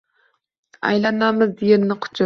Aylanamiz, yerni quchamiz